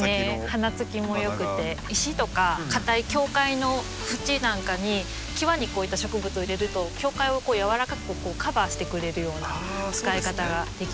花つきもよくて石とかかたい境界の縁なんかに際にこういった植物を入れると境界をやわらかくカバーしてくれるような使い方ができます。